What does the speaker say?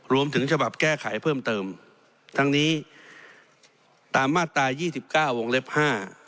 รวมถึงฉบับแก้ไขเพิ่มเติมทั้งนี้ตามมาตรายี่สิบเก้าวงเล็บห้า